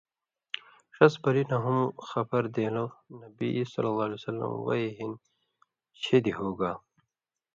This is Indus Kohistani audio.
ݜس بلیۡ نہ ہُم خبر دېن٘لو (نبی ﷺ وحی ہِن شِدیۡ ہُوگا۔